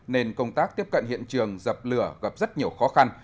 nên công tác tiếp cận hiện trường dập lửa gặp rất nhiều khó khăn